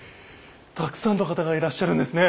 たくさんの方がいらっしゃるんですね。